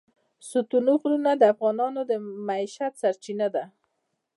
ستوني غرونه د افغانانو د معیشت سرچینه ده.